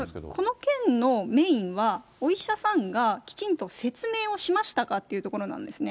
この件のメインは、お医者さんがきちんと説明をしましたかっていうところなんですね。